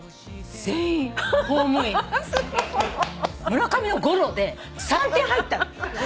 村上のゴロで３点入ったの。